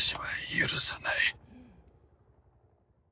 許さない！